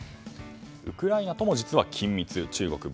ウクライナとも実は緊密、中国。